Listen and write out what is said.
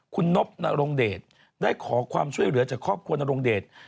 คุณนบนรงเดชได้ขอความช่วยเหลือจากครอบครัวนรงเดช